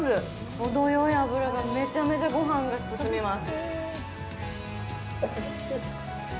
ほどよい脂が、めちゃめちゃ御飯が進みます。